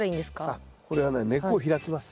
あっこれはね根っこを開きます。